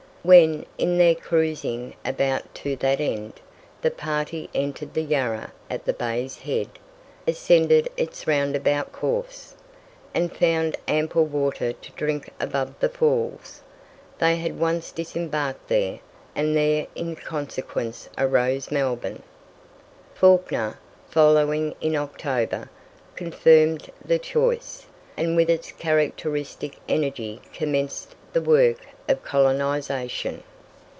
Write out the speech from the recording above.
When, in their cruising about to that end, the party entered the Yarra at the Bay's head, ascended its roundabout course, and found ample water to drink above "the Falls," they at once disembarked there, and there in consequence arose Melbourne. Fawkner, following in October, confirmed the choice, and with his characteristic energy commenced the work of colonization.